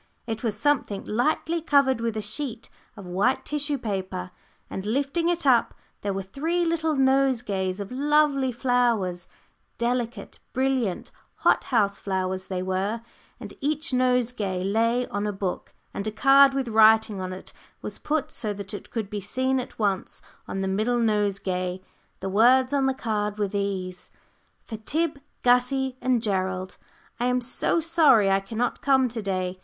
It was something lightly covered with a sheet of white tissue paper, and lifting it up, there were three little nosegays of lovely flowers delicate, brilliant hot house flowers they were, and each nosegay lay on a book, and a card with writing on it was put so that it could be seen at once on the middle nosegay. The words on the card were these: "For Tib, Gussie, and Gerald. I am so sorry I cannot come to day.